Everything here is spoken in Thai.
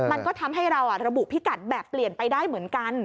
มันก็ทำให้เราระบุพิกัดแบบเปลี่ยนไปได้เหมือนกัน